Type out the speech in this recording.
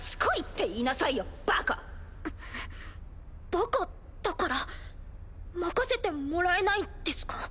バカだから任せてもらえないんですか？